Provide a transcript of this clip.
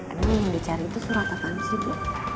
ada yang dicari itu surat apaan sih